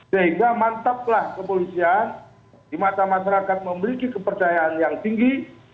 sehingga mantaplah kepolisian di mata masyarakat memiliki kepercayaan yang tinggi